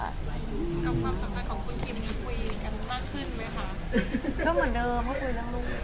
กับความสำคัญของคุณกิมคุยกันมากขึ้นไหมคะ